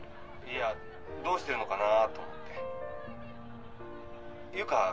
いやどうしてるのかなと思って由香